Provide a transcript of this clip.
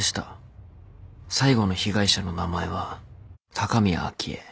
最後の被害者の名前は高宮明江。